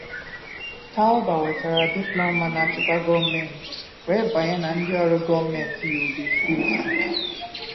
Talba nwetara diplọma na nchịkwa gọọmentị wee banye na ndị ọrụ gọọmentị Yobe Steeti.